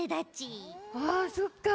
あそっか。